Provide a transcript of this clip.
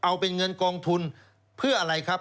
เอาเป็นเงินกองทุนเพื่ออะไรครับ